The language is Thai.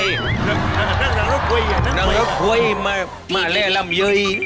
นั่งรถไฟมาและรำเยย